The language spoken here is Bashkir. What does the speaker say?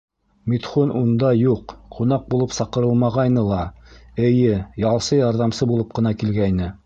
Митхун унда, юҡ, ҡунаҡ булып саҡырылмағайны ла, эйе, ялсы, ярҙамсы булып ҡына килгәйне.